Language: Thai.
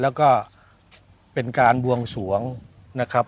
แล้วก็เป็นการบวงสวงนะครับ